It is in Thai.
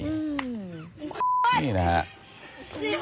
นี่นะฮะ